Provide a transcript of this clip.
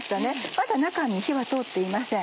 まだ中に火は通っていません。